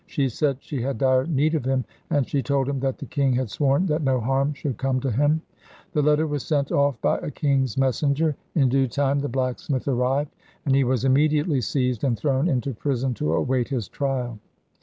She said she had dire need of him, and she told him that the king had sworn that no harm should come to him. The letter was sent off by a king's messenger. In due time the blacksmith arrived, and he was immediately seized and thrown into prison to await his trial.